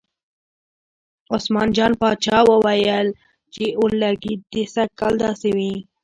عثمان جان پاچا ویل چې اورلګید دې سږ کال داسې وي.